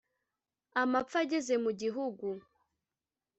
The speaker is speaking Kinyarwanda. Amapfa ageze mu gihugu